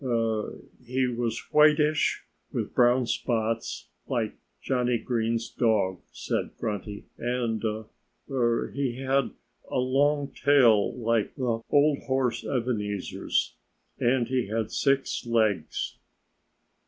"Er he was whitish, with brown spots, like Johnnie Green's dog," said Grunty; "and er he had a long tail like the old horse Ebenezer's; and he had six legs."